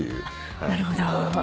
なるほど。